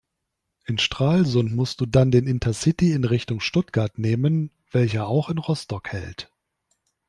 In Stralsund musst du dann den Intercity in Richtung Stuttgart nehmen, welcher auch in Rostock hält.